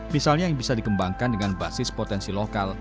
misalnya yang bisa dikembangkan dengan basis potensi lokal